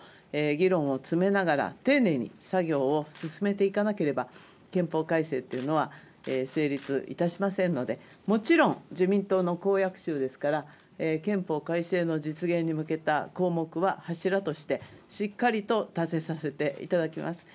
これから野党の皆様とともに本当に各党と議論を詰めながら丁寧に作業を進めていかなければ憲法改正というのは成立いたしませんのでもちろん自民党の公約集ですから憲法改正の実現に向けた項目は柱としてしっかりと立てさせていただきます。